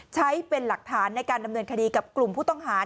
ใช้เป็นหลักฐานในการดำเนินคดีกับกลุ่มผู้ต้องหา